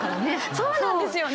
そうなんですよね。